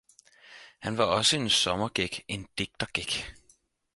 Han var også en sommergæk, en digtergæk